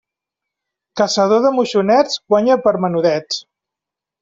Caçador de moixonets guanya per menudets.